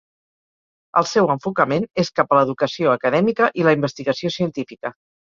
El seu enfocament és cap a l'educació acadèmica i la investigació científica.